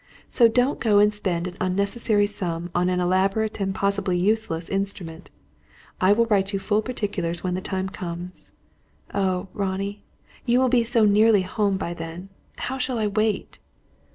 So don't go and spend an unnecessary sum on an elaborate, and probably less useful, instrument. I will write you full particulars when the time comes. Oh, Ronnie, you will be so nearly home, by then! How shall I wait?"